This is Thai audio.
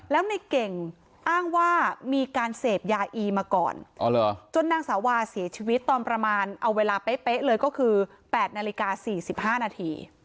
แล้วในเก่งอ้างว่ามีการเสพยาอีมาก่อนจนนางสาวาเสียชีวิตตอนประมาณเอาเวลาเป๊ะเลยก็คือ๘นาฬิกา๔๕นาที